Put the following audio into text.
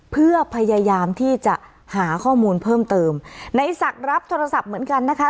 เพื่อพยายามที่จะหาข้อมูลเพิ่มเติมในศักดิ์รับโทรศัพท์เหมือนกันนะคะ